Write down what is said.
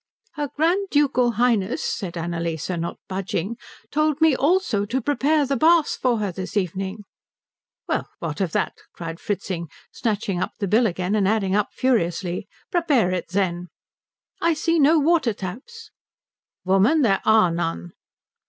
"Her Grand Ducal Highness," said Annalise, not budging, "told me also to prepare the bath for her this evening." "Well, what of that?" cried Fritzing, snatching up the bill again and adding up furiously. "Prepare it, then." "I see no water taps." "Woman, there are none."